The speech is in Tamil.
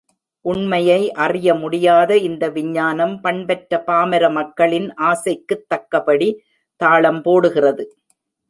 உண்மையை அறிய முடியாத இந்த விஞ்ஞானம் பண்பற்ற பாமர மக்களின் ஆசைக்குத் தக்கபடி தாளம் போடுகிறது.